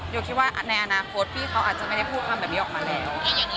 คิดว่าในอนาคตพี่เขาอาจจะไม่ได้พูดคำแบบนี้ออกมาแล้ว